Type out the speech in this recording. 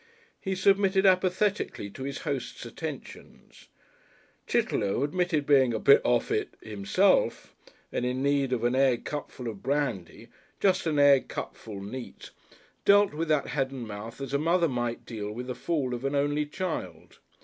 He submitted apathetically to his host's attentions. Chitterlow, who admitted being a "bit off it" himself and in need of an egg cupful of brandy, just an egg cupful neat, dealt with that Head and Mouth as a mother might deal with the fall of an only child.